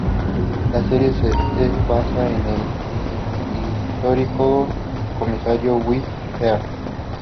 La serie se basaba en el histórico comisario Wyatt Earp.